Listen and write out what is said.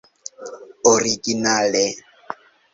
originale